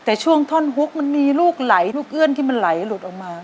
แต่ช่วงท่อนฮุกมันมีลูกไหลลูกเอื้อนที่มันไหลหลุดออกมา